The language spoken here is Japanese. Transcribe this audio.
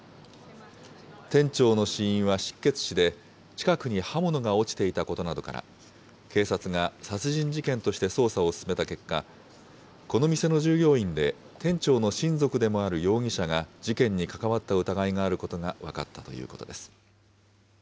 店長の死因は失血死で、近くに刃物が落ちていたことなどから、警察が殺人事件として捜査を進めた結果、この店の従業員で、店長の親族でもある容疑者が、事件に関わった疑いがあることが分かったということです。